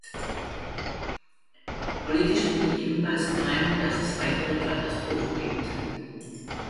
Politisch bin ich ebenfalls der Meinung, dass es weitere Katastrophen gibt.